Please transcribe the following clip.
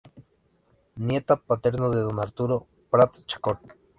Nieto paterno de Don Arturo Prat Chacón.